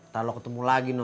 nanti lo ketemu lagi no